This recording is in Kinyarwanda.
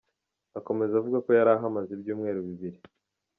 Akomeza avuga ko yari ahamaze ibyumweru bibiri.